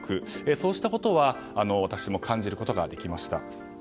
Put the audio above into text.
そうしたことは私も感じることができました。